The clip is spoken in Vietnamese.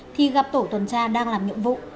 thì gặp tổ tuần tra đang làm nhiệm vụ